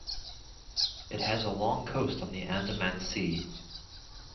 It has a long coast on the Andaman Sea.